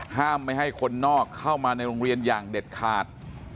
ห้ามไม่ให้คนนอกเข้ามาในโรงเรียนอย่างเด็ดขาด